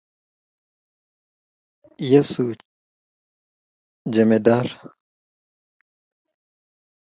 Yesu jemedar na